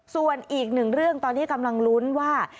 ส่วนอีกหนึ่งเรื่องตอนที่กำลังลุ้นว่า